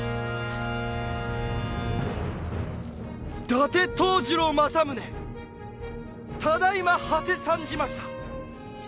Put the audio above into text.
伊達藤次郎政宗ただ今はせ参じました。